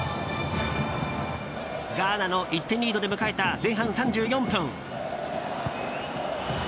ガーナの１点リードで迎えた前半３４分。